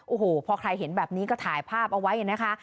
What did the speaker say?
โอ้โหพอใครเห็นแบบนี้ก็ถ่ายภาพเอาไว้นะคะ